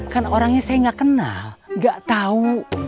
kan orangnya saya gak kenal gak tau